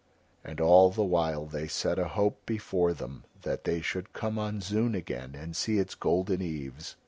And all the while they set a hope before them that they should come on Zoon again and see its golden eaves.